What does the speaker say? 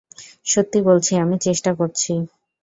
সত্যি বলছি আমি চেষ্টা করছি।